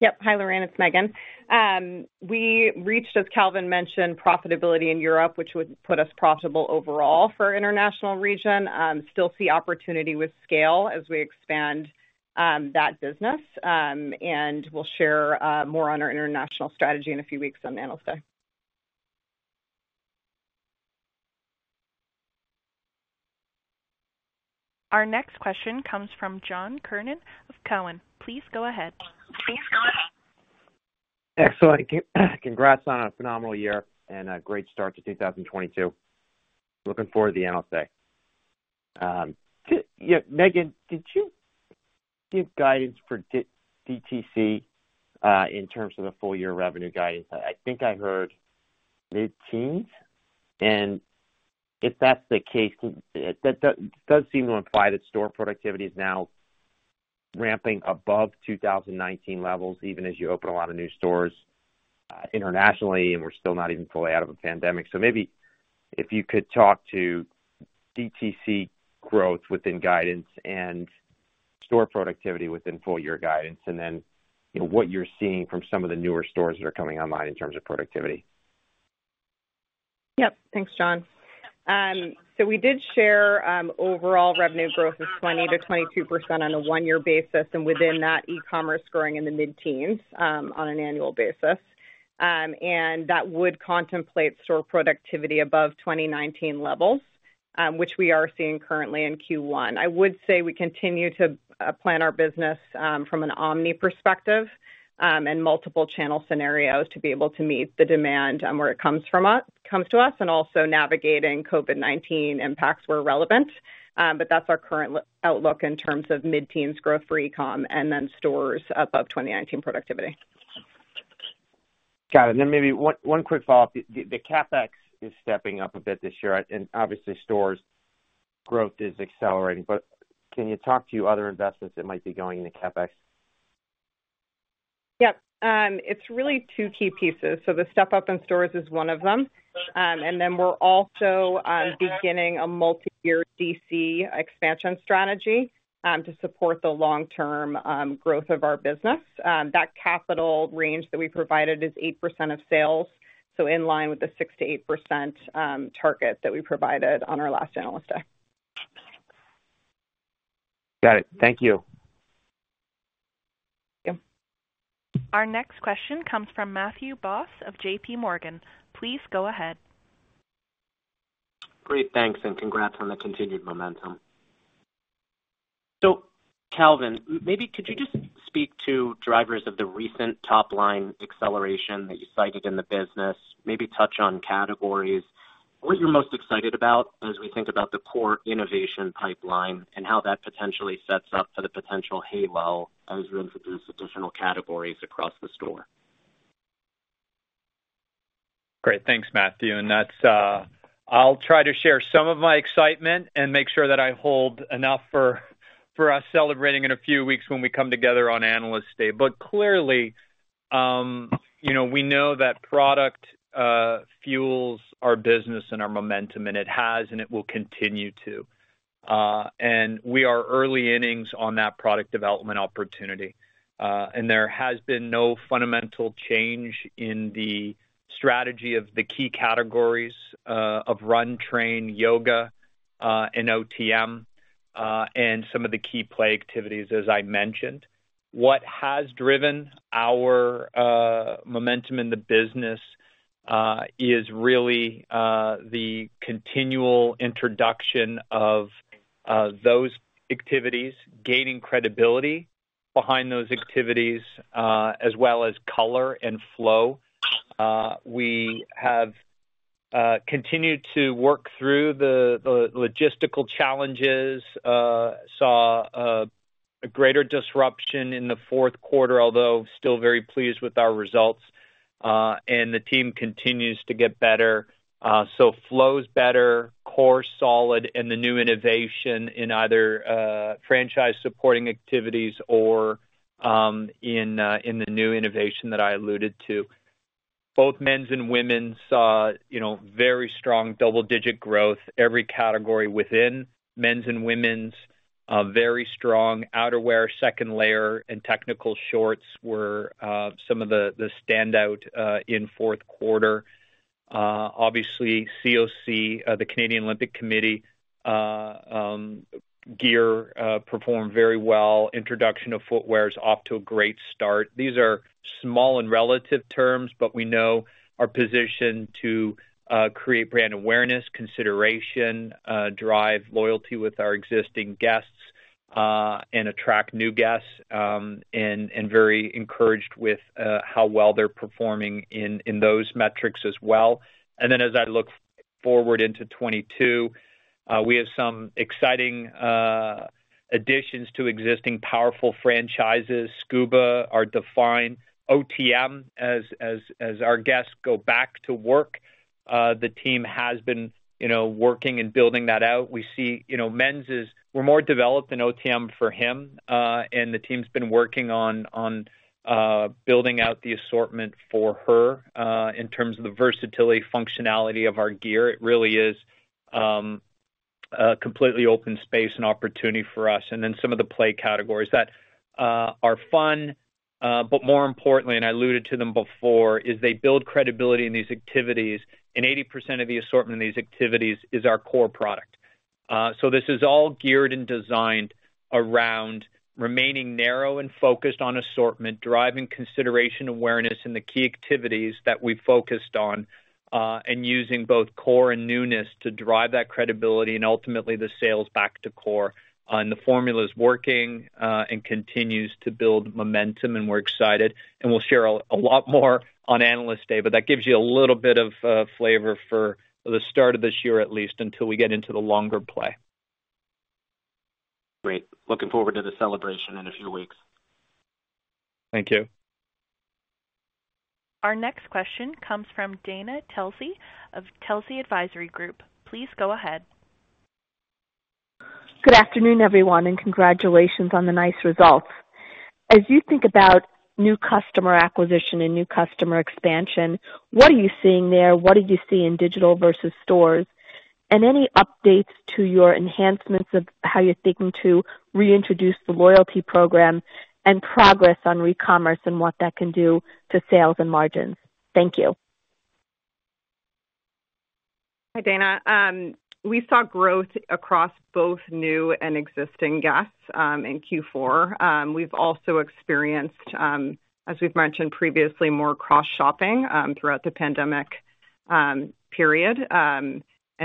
Yep. Hi, Lorraine. It's Meghan. We reached, as Calvin mentioned, profitability in Europe, which would put us profitable overall for international region. Still see opportunity with scale as we expand that business. We'll share more on our international strategy in a few weeks on Analyst Day.
Our next question comes from John Kernan of Cowen. Please go ahead.
Excellent. Congrats on a phenomenal year and a great start to 2022. Looking forward to the Analyst Day. Yeah, Meghan, did you give guidance for DTC in terms of the full year revenue guidance? I think I heard mid-teens? If that's the case, that does seem to imply that store productivity is now ramping above 2019 levels, even as you open a lot of new stores internationally, and we're still not even fully out of a pandemic. Maybe if you could talk to DTC growth within guidance and store productivity within full year guidance, and then you know what you're seeing from some of the newer stores that are coming online in terms of productivity.
Yep. Thanks, John. So we did share overall revenue growth of 20%-22% on a one-year basis, and within that, e-commerce growing in the mid-teens on an annual basis. That would contemplate store productivity above 2019 levels, which we are seeing currently in Q1. I would say we continue to plan our business from an omni perspective and multiple channel scenarios to be able to meet the demand where it comes to us, and also navigating COVID-19 impacts where relevant. That's our current outlook in terms of mid-teens growth for e-com and then stores above 2019 productivity.
Got it. Maybe one quick follow-up. The CapEx is stepping up a bit this year, and obviously stores growth is accelerating, but can you talk to other investments that might be going into CapEx?
Yep. It's really two key pieces. The step up in stores is one of them. We're also beginning a multi-year DC expansion strategy to support the long-term growth of our business. That capital range that we provided is 8% of sales, so in line with the 6%-8% target that we provided on our last Analyst Day.
Got it. Thank you.
Thank you.
Our next question comes from Matthew Boss of JPMorgan. Please go ahead.
Great. Thanks and congrats on the continued momentum. Calvin, maybe could you just speak to drivers of the recent top line acceleration that you cited in the business, maybe touch on categories, what you're most excited about as we think about the core innovation pipeline and how that potentially sets up for the potential tailwind as we introduce additional categories across the store?
Great. Thanks, Matthew. I'll try to share some of my excitement and make sure that I hold enough for us celebrating in a few weeks when we come together on Analyst Day. Clearly, you know, we know that product fuels our business and our momentum, and it has, and it will continue to. We are in the early innings on that product development opportunity. There has been no fundamental change in the strategy of the key categories of run, train, yoga, and OTM, and some of the key play activities, as I mentioned. What has driven our momentum in the business is really the continual introduction of those activities, gaining credibility behind those activities, as well as color and flow. We have continued to work through the logistical challenges, saw a greater disruption in the fourth quarter, although still very pleased with our results, and the team continues to get better. Flow's better, core solid in the new innovation in either franchise supporting activities or in the new innovation that I alluded to. Both men's and women's saw, you know, very strong double-digit growth. Every category within men's and women's very strong outerwear, second layer and technical shorts were some of the standout in fourth quarter. Obviously COC, the Canadian Olympic Committee gear performed very well. Introduction of footwear is off to a great start. These are small and relative terms, but we know our position to create brand awareness, consideration, drive loyalty with our existing guests, and attract new guests, and very encouraged with how well they're performing in those metrics as well. Then as I look forward into 2022, we have some exciting additions to existing powerful franchises. Scuba, our Define, OTM. As our guests go back to work, the team has been, you know, working and building that out. We see, you know, we're more developed in OTM for him, and the team's been working on building out the assortment for her in terms of the versatility functionality of our gear. It really is a completely open space and opportunity for us. Some of the play categories that are fun. More importantly, and I alluded to them before, is they build credibility in these activities, and 80% of the assortment of these activities is our core product. This is all geared and designed around remaining narrow and focused on assortment, driving consideration awareness in the key activities that we focused on, and using both core and newness to drive that credibility and ultimately the sales back to core. The formula is working, and continues to build momentum, and we're excited, and we'll share a lot more on Analyst Day, but that gives you a little bit of flavor for the start of this year, at least until we get into the longer play.
Great. Looking forward to the celebration in a few weeks.
Thank you.
Our next question comes from Dana Telsey of Telsey Advisory Group. Please go ahead.
Good afternoon, everyone, and congratulations on the nice results. As you think about new customer acquisition and new customer expansion, what are you seeing there? What did you see in digital versus stores? Any updates to your enhancements of how you're seeking to reintroduce the loyalty program and progress on recommerce and what that can do to sales and margins? Thank you.
Hi, Dana. We saw growth across both new and existing guests in Q4. We've also experienced, as we've mentioned previously, more cross-shopping throughout the pandemic period.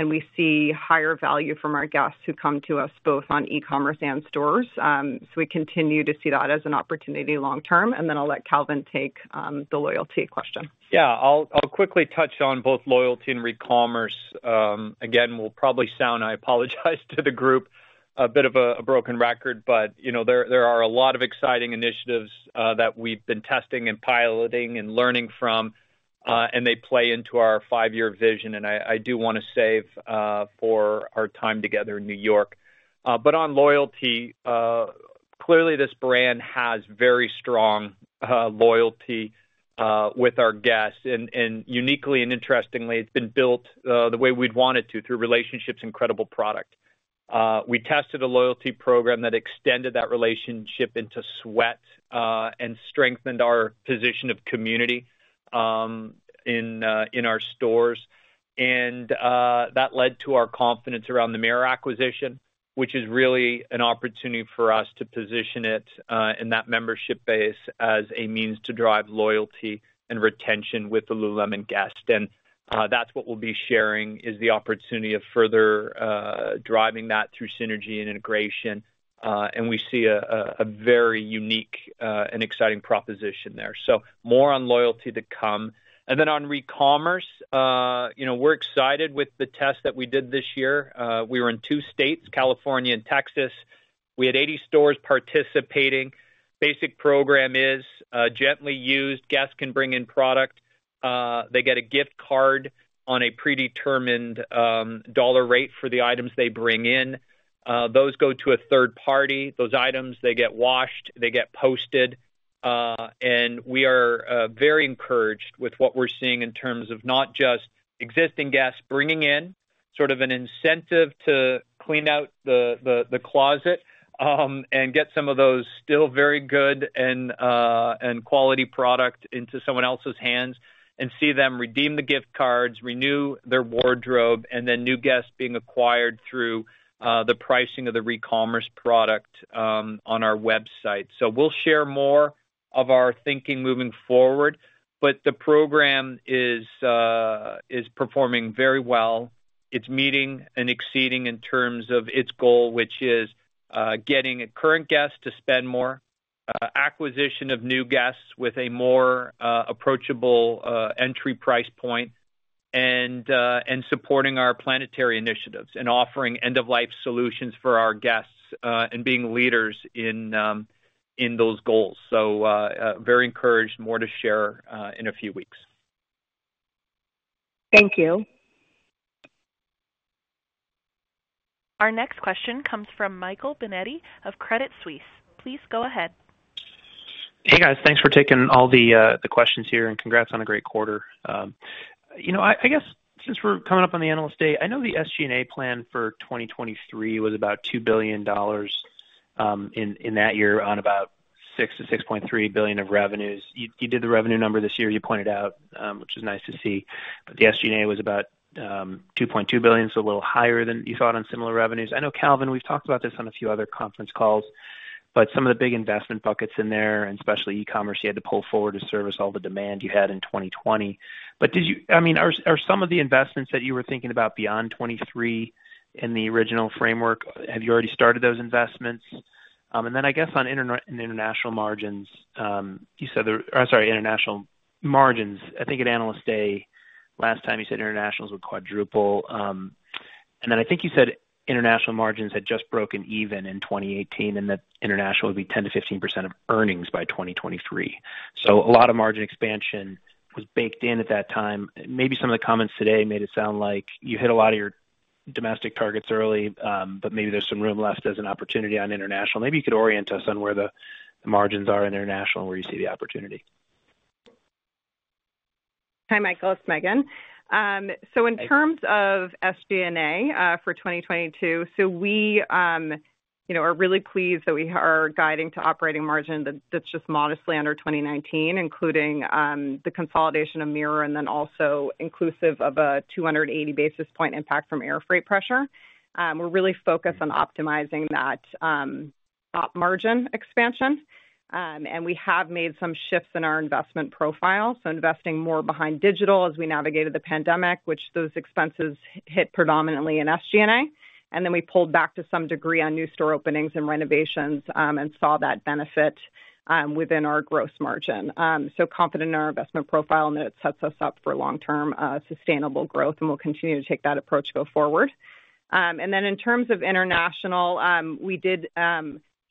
We see higher value from our guests who come to us both on e-commerce and stores. We continue to see that as an opportunity long term. I'll let Calvin take the loyalty question.
Yeah. I'll quickly touch on both loyalty and recommerce. Again, I'll probably sound like a bit of a broken record, but I apologize to the group. You know, there are a lot of exciting initiatives that we've been testing and piloting and learning from, and they play into our five-year vision. I do wanna save for our time together in New York. On loyalty, clearly this brand has very strong loyalty with our guests. Uniquely and interestingly, it's been built the way we'd want it to through relationships and credible product. We tested a loyalty program that extended that relationship into sweat and strengthened our position of community in our stores. That led to our confidence around the Mirror acquisition, which is really an opportunity for us to position it in that membership base as a means to drive loyalty and retention with the Lululemon guest. That's what we'll be sharing, is the opportunity of further driving that through synergy and integration. We see a very unique and exciting proposition there. More on loyalty to come. On recommerce, you know, we're excited with the test that we did this year. We were in two states, California and Texas. We had 80 stores participating. Basic program is gently used. Guests can bring in product. They get a gift card on a predetermined dollar rate for the items they bring in. Those go to a third party. Those items get washed. They get posted, and we are very encouraged with what we're seeing in terms of not just existing guests bringing in sort of an incentive to clean out the closet and get some of those still very good and quality product into someone else's hands and see them redeem the gift cards, renew their wardrobe, and then new guests being acquired through the pricing of the recommerce product on our website. We'll share more of our thinking moving forward, but the program is performing very well. It's meeting and exceeding in terms of its goal, which is getting a current guest to spend more, acquisition of new guests with a more approachable entry price point, and supporting our planetary initiatives and offering end-of-life solutions for our guests, and being leaders in those goals. Very encouraged. More to share in a few weeks.
Thank you.
Our next question comes from Michael Binetti of Credit Suisse. Please go ahead.
Hey, guys. Thanks for taking all the questions here, and congrats on a great quarter. You know, I guess since we're coming up on the Analyst Day, I know the SG&A plan for 2023 was about $2 billion in that year on about $6 billion-$6.3 billion of revenues. You did the revenue number this year, you pointed out, which is nice to see. The SG&A was about $2.2 billion, so a little higher than you thought on similar revenues. I know, Calvin, we've talked about this on a few other conference calls, but some of the big investment buckets in there, and especially e-commerce, you had to pull forward to service all the demand you had in 2020. I mean, are some of the investments that you were thinking about beyond 2023 in the original framework, have you already started those investments? Then I guess on international margins, you said international margins. I think at Analyst Day last time you said internationals would quadruple. I think you said international margins had just broken even in 2018 and that international would be 10%-15% of earnings by 2023. A lot of margin expansion was baked in at that time. Maybe some of the comments today made it sound like you hit a lot of your domestic targets early, but maybe there's some room left as an opportunity on international. Maybe you could orient us on where the margins are in international, where you see the opportunity.
Hi, Michael, it's Meghan. In terms of SG&A for 2022, we are really pleased that we are guiding to operating margin that's just modestly under 2019, including the consolidation of Mirror and then also inclusive of a 280 basis point impact from air freight pressure. We're really focused on optimizing that op margin expansion. We have made some shifts in our investment profile, investing more behind digital as we navigated the pandemic, which those expenses hit predominantly in SG&A. We pulled back to some degree on new store openings and renovations, and saw that benefit within our gross margin. We are confident in our investment profile, and it sets us up for long-term sustainable growth, and we'll continue to take that approach go forward. In terms of international, we did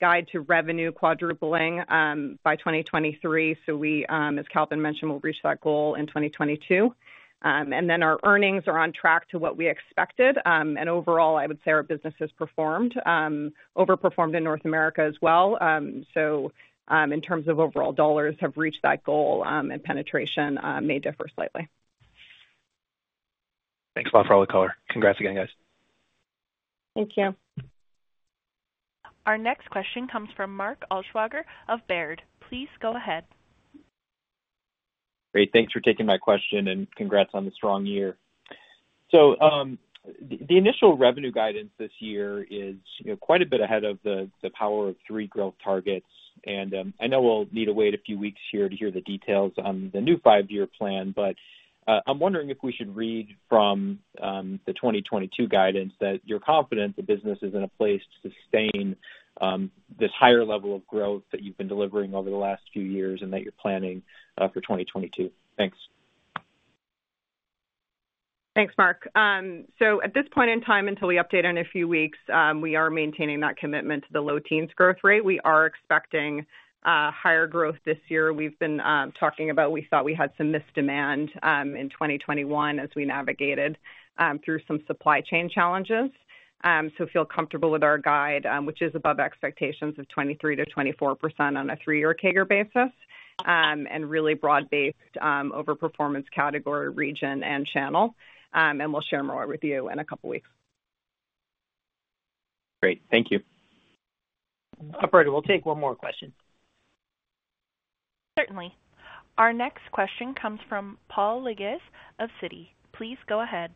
guide to revenue quadrupling by 2023. As Calvin mentioned, we'll reach that goal in 2022. Our earnings are on track to what we expected. Overall, I would say our business has overperformed in North America as well. In terms of overall dollars, we have reached that goal, and penetration may differ slightly.
Thanks a lot for all the color. Congrats again, guys.
Thank you.
Our next question comes from Mark Altschwager of Baird. Please go ahead.
Great. Thanks for taking my question, and congrats on the strong year. The initial revenue guidance this year is, you know, quite a bit ahead of the Power of Three growth targets. I know we'll need to wait a few weeks here to hear the details on the new five-year plan. I'm wondering if we should read from the 2022 guidance that you're confident the business is in a place to sustain this higher level of growth that you've been delivering over the last few years and that you're planning for 2022. Thanks.
Thanks, Mark. At this point in time, until we update in a few weeks, we are maintaining that commitment to the low teens growth rate. We are expecting higher growth this year. We've been talking about we thought we had some missed demand in 2021 as we navigated through some supply chain challenges. We feel comfortable with our guide, which is above expectations of 23%-24% on a three-year CAGR basis and really broad-based overperformance across category, region, and channel. We'll share more with you in a couple weeks.
Great. Thank you.
Operator, we'll take one more question.
Certainly. Our next question comes from Paul Lejuez of Citi. Please go ahead.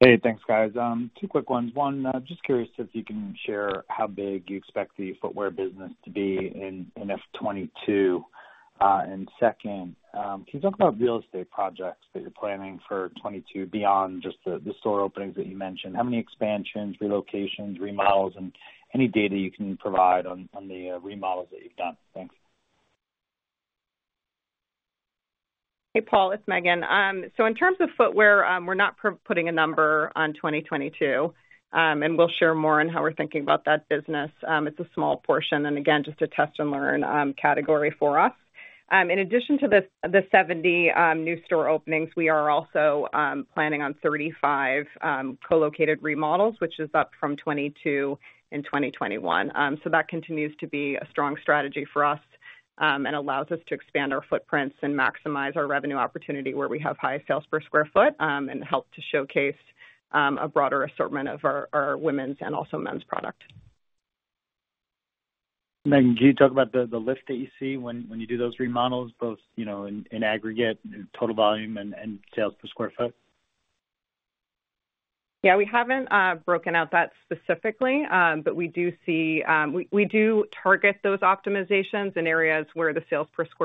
Hey, thanks, guys. Two quick ones. One, just curious if you can share how big you expect the footwear business to be in FY 2022. Second, can you talk about real estate projects that you're planning for 2022 beyond just the store openings that you mentioned? How many expansions, relocations, remodels, and any data you can provide on the remodels that you've done? Thanks.
Hey, Paul, it's Meghan. In terms of footwear, we're not putting a number on 2022, and we'll share more on how we're thinking about that business. It's a small portion, and again, just a test and learn category for us. In addition to the 70 new store openings, we are also planning on 35 co-located remodels, which is up from 22 in 2021. That continues to be a strong strategy for us, and allows us to expand our footprints and maximize our revenue opportunity where we have high sales per square foot, and help to showcase a broader assortment of our women's and also men's product.
Meghan, can you talk about the lift that you see when you do those remodels, both, you know, in aggregate, total volume and sales per square foot?
Yeah, we haven't broken out that specifically, but we do see. We do target those optimizations in areas where the sales per sq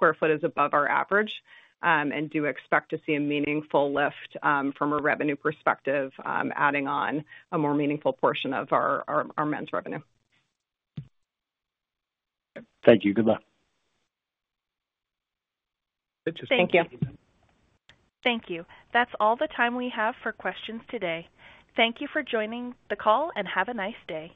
ft is above our average, and do expect to see a meaningful lift from a revenue perspective, adding on a more meaningful portion of our men's revenue.
Thank you. Good luck.
Thank you. That's all the time we have for questions today. Thank you for joining the call, and have a nice day.